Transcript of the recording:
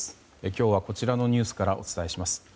今日はこちらのニュースからお伝えします。